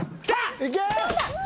いけ！